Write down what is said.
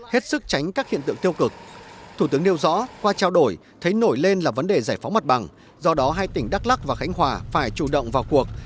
hết sức tránh các hiện tượng tiêu cực thủ tướng nêu rõ qua trao đổi thấy nổi lên là vấn đề giải phóng mặt bằng do đó hai tỉnh đắk lắc và khánh hòa phải chủ động vào cuộc